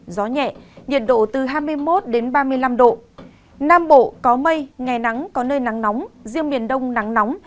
gió nhẹ nhiệt độ từ hai mươi một ba mươi năm độ nam bộ có mây ngày nắng có nơi nắng nóng riêng miền đông nắng nóng